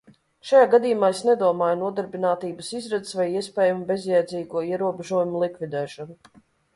Šajā gadījumā es nedomāju nodarbinātības izredzes vai iespējamu bezjēdzīgo ierobežojumu likvidēšanu.